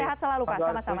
sehat selalu pak sama sama